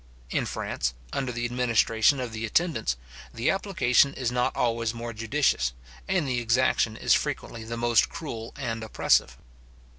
In France, under the administration of the intendants, the application is not always more judicious, and the exaction is frequently the most cruel and oppressive.